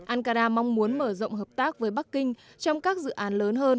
ankara mong muốn mở rộng hợp tác với bắc kinh trong các dự án lớn hơn